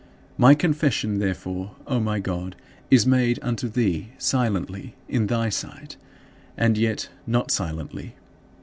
My confession therefore, O my God, is made unto thee silently in thy sight and yet not silently.